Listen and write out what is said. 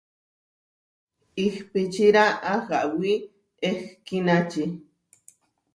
Ihpíčira ahawí ehkínači.